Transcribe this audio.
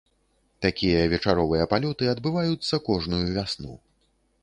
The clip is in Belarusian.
Такія вечаровыя палёты адбываюцца кожную вясну.